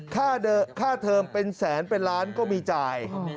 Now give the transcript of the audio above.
ค่าเทอมเป็นแสนเป็นล้านก็มีจ่าย